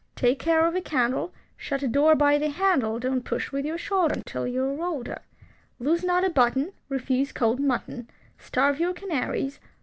Take care of a candle. Shut a door by the handle, Don't push with your shoulder Until you are older. Lose not a button. Refuse cold mutton. Starve your canaries.